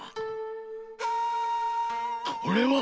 これは！